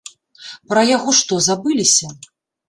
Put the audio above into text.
Пра яго што, забыліся?